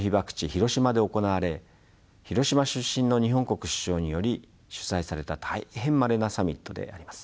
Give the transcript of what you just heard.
広島で行われ広島出身の日本国首相により主催された大変まれなサミットであります。